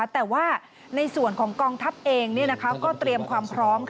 แต่ว่าในส่วนของกองทัพเองก็เตรียมความพร้อม